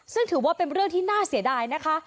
ซึ่งถือว่าเป็นเรื่องที่น่าเสียดายนะคะ